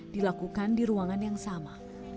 dilakukan di ruangan yang sama